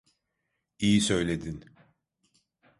İyi söyledin.